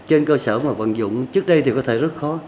trên cơ sở mà vận dụng trước đây thì có thể rất khó